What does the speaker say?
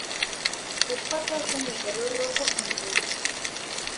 Su patas son de color rojo intenso.